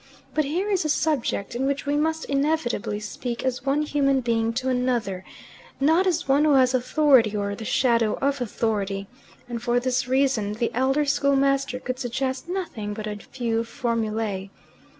But here is a subject in which we must inevitably speak as one human being to another, not as one who has authority or the shadow of authority, and for this reason the elder school master could suggest nothing but a few formulae.